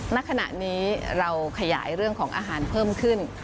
ณขณะนี้เราขยายเรื่องของอาหารเพิ่มขึ้น